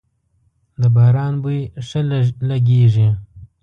د باران بوی ښه لږیږی